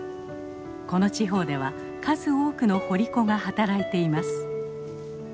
この地方では数多くの掘り子が働いています。